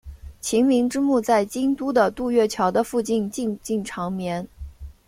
晴明之墓在京都的渡月桥的附近静静长眠。